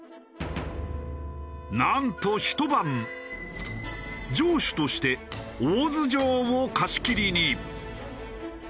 なんとひと晩城主として大洲城を貸し切りに。